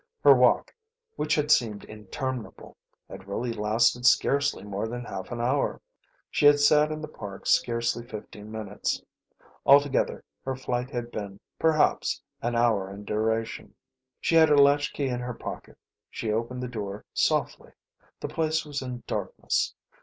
Her walk, which had seemed interminable, had really lasted scarcely more than half an hour. She had sat in the park scarcely fifteen minutes. Altogether her flight had been, perhaps, an hour in duration. She had her latchkey in her pocket. She opened the door softly. The place was in darkness.